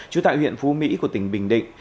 chủ tại huyện phú mỹ của tỉnh bình định